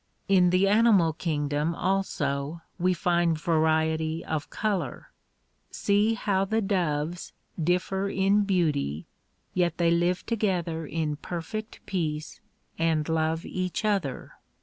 In the animal kingdom also we find variety of color. See how the doves differ in beauty yet they live together in perfect peace, and love each other.